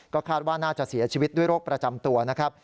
คาดว่าน่าจะเสียชีวิตด้วยโรคประจำตัวนะครับ